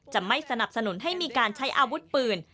จะไม่สนับสนุนให้มีการใช้อาวุธปืน